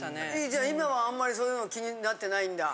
じゃあ今はあんまりそういうの気になってないんだ。